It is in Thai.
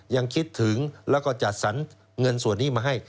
ยังคิดถึงแล้วก็จัดสรรเงินส่วนนี้มาให้